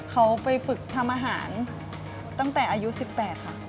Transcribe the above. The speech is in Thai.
เขาไปฝึกทำอาหารตั้งแต่อายุ๑๘ค่ะ